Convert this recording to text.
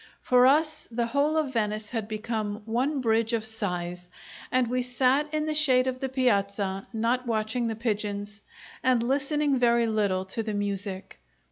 For us the whole of Venice had become one bridge of sighs, and we sat in the shade of the piazza, not watching the pigeons, and listening very little to the music.